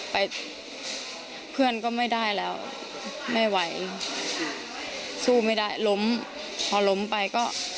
ไปเพื่อนก็ไม่ได้แล้วไม่ไหวสู้ไม่ได้ล้มพอล้มไปก็